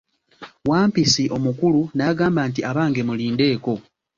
Wampisi omukulu n'agamba nti, abange, mulindeko.